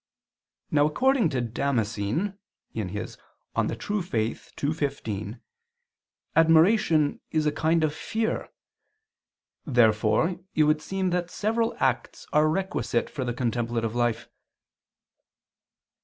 Now according to Damascene (De Fide Orth. ii, 15) admiration is a kind of fear. Therefore it would seem that several acts are requisite for the contemplative life.